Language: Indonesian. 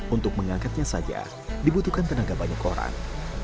untuk mengangkatnya saja dibutuhkan tenaga banyak orang